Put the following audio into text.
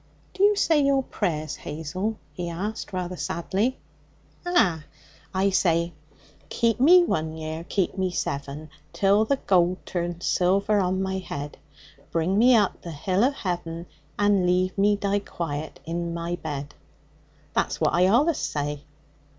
'Do you say your prayers, Hazel?' he asked rather sadly. 'Ah! I say: "Keep me one year, keep me seven, Till the gold turns silver on my head; Bring me up to the hill o' heaven, And leave me die quiet in my bed." That's what I allus say.'